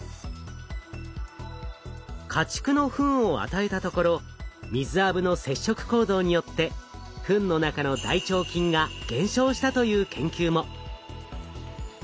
家畜のフンを与えたところミズアブの摂食行動によってフンの中の大腸菌が減少したという研究も。